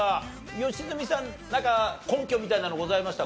良純さんなんか根拠みたいなのございました？